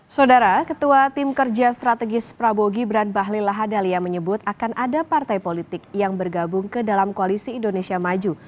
saudara ketua tim kerja strategis prabowo gibran bahlil lahadalia menyebut akan ada partai politik yang bergabung ke dalam koalisi indonesia maju